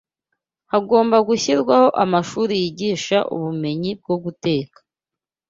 hagomba gushyirwaho amashuri yigisha ubumenyi bwo guteka